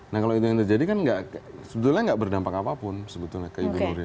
nah kalau itu yang terjadi kan sebetulnya nggak berdampak apapun sebetulnya ke ibu nuril